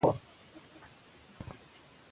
رېدی د دغه ناول یو مرکزي کرکټر دی.